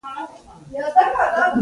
چاکلېټ د ادب له خوند سره مل وي.